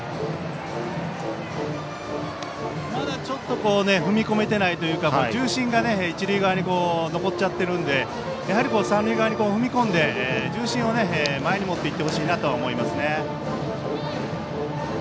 まだちょっと踏み込めていないというか重心が一塁側に残っちゃってるのでやはり三塁側に踏み込んで重心を前に持っていってほしいなと思います。